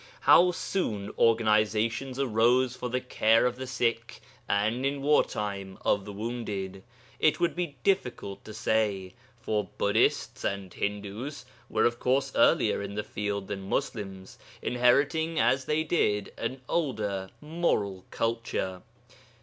How soon organizations arose for the care of the sick, and, in war time, of the wounded, it would be difficult to say; for Buddhists and Hindus were of course earlier in the field than Muslims, inheriting as they did an older moral culture.